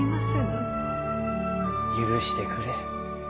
許してくれ。